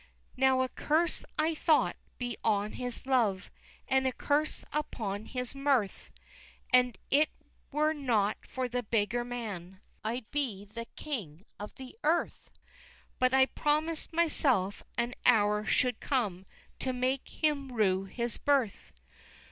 XII. Now a curse (I thought) be on his love, And a curse upon his mirth, An it were not for that beggar man I'd be the King of the earth, But I promis'd myself, an hour should come To make him rue his birth!